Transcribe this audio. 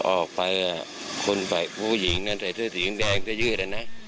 ออกไปผู้หญิงใส่เสื้อสีแหงแสดง